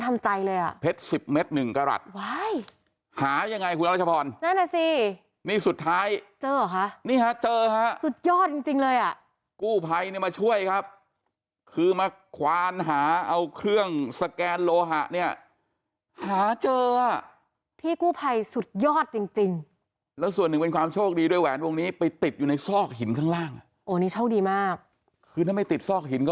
ถึงกระหลัดว้ายหายังไงคุณราชพรนั่นแหละสินี่สุดท้ายเจอหรอคะนี่ฮะเจอฮะสุดยอดจริงเลยอ่ะกู้ไพนี่มาช่วยครับคือมาควานหาเอาเครื่องสแกนโลหะเนี่ยหาเจอพี่กู้ไพสุดยอดจริงแล้วส่วนหนึ่งเป็นความโชคดีด้วยแหวนวงนี้ไปติดอยู่ในซอกหินข้างล่างโอ้นี่โชคดีมากคือถ้าไม่ติดซอกหินก